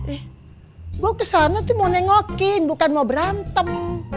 eh gue kesana tuh mau nengokin bukan mau berantem